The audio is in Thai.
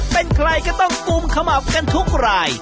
เป็นใครก็ต้องกุมขมับกันทุกราย